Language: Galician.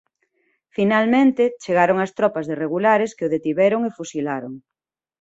Finalmente chegaron as tropas de Regulares que o detiveron e fusilaron.